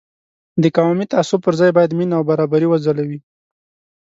د قومي تعصب پر ځای باید مینه او برابري وځلوي.